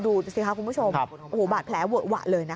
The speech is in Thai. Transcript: ดูสิค่ะคุณผู้ชมบาดแผลหวะเลยนะคะ